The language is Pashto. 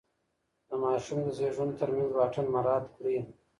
د ماشوم د زیږون ترمنځ واټن مراعات کړئ.